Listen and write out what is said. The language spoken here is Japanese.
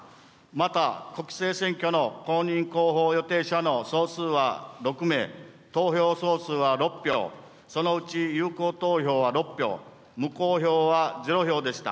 また国政選挙の公認候補予定者の総数は６名、投票総数は６票、そのうち有効投票は６票、無効票は０票でした。